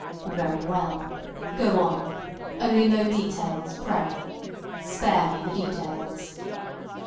"Very well. Go on. Only no details, pray. Spare me the details."